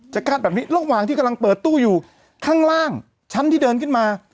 คาดแบบนี้ระหว่างที่กำลังเปิดตู้อยู่ข้างล่างชั้นที่เดินขึ้นมา